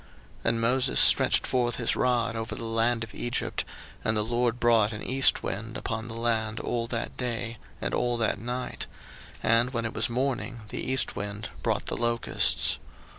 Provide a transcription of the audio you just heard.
02:010:013 And Moses stretched forth his rod over the land of Egypt, and the LORD brought an east wind upon the land all that day, and all that night; and when it was morning, the east wind brought the locusts.